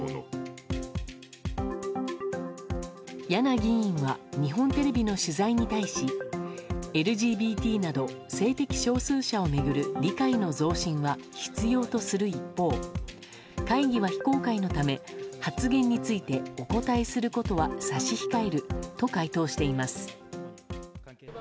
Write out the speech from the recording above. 簗議員は日本テレビの取材に対しＬＧＢＴなど性的少数者を巡る理解の増進は必要とする一方会議は非公開のため発言についてお答えすることは差し控えると回答しています。